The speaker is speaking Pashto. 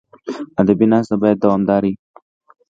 ادبي ناسته باید دوامداره وي.